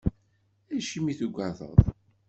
Acimi tugadeḍ?